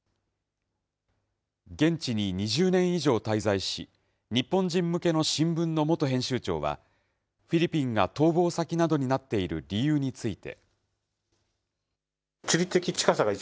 現地に２０年以上滞在し、日本人向けの新聞の元編集長は、フィリピンが逃亡先などになっている理由について。